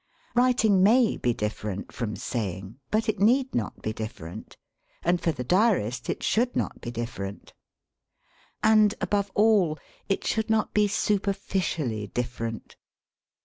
Writing may be different from saying, but it need not be different, and for the diarist it should not be different. And, above all, it should not be superficially different.